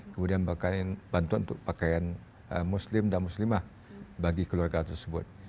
kemudian bantuan untuk pakaian muslim dan muslimah bagi keluarga tersebut